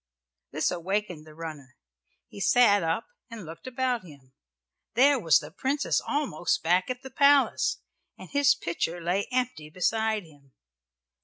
This awakened the runner. He sat up and looked about him. There was the Princess almost back at the palace, and his pitcher lay empty beside him.